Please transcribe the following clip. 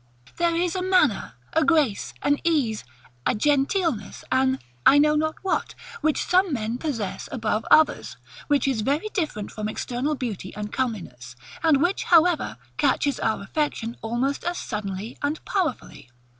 There is a manner, a grace, an ease, a genteelness, an I know not what, which some men possess above others, which is very different from external beauty and comeliness, and which, however, catches our affection almost as suddenly and powerfully.